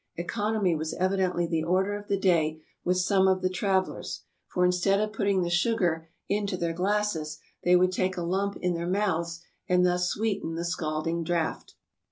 Economy was evidently the order of the day with some of the travelers; for instead of putting the sugar into their ASIA 299 glasses, they would take a lump in their mouths, and thus sweeten the scalding draught.